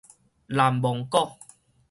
南蒙古